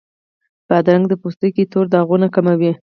بادرنګ د پوستکي تور داغونه کموي.